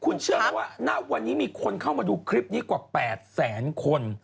คุณเชื่อไหมว่าณวันนี้มีคนเข้ามาดูคลิปนี้กว่า๘แสนคน